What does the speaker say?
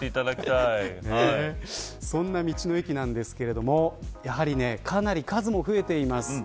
そんな道の駅なんですけれどもやはりかなり数も増えています。